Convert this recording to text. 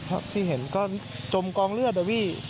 ครับที่เห็นก็จมกองเลือดอ่ะวิ